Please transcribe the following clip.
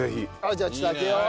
じゃあちょっと開けよう。